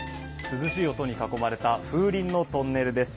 涼しい音に囲まれた風鈴のトンネルです。